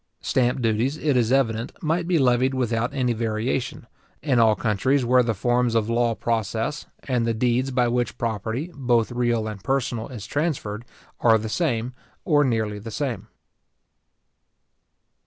Stamp duties, it is evident, might be levied without any variation, in all countries where the forms of law process, and the deeds by which property, both real and personal, is transferred, are the same, or nearly the same.